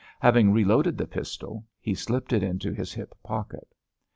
Having reloaded the pistol, he slipped it into his hip pocket.